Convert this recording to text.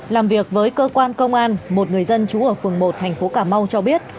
làm việc với cơ quan công an một người dân trú ở phường một thành phố cà mau cho biết